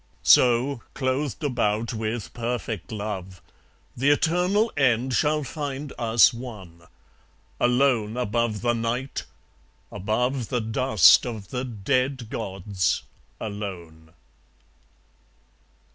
So, clothed about with perfect love, The eternal end shall find us one, Alone above the Night, above The dust of the dead gods, alone.